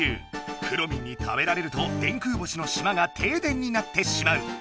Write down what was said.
くろミンに食べられると電空星の島が停電になってしまう！